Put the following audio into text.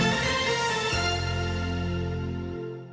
พี่เจอกันครับสวัสดีฮะ